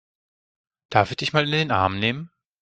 Darf ich dich mal in den Arm nehmen?